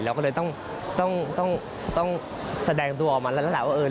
เราก็เลยต้องแสดงตัวมาแล้ว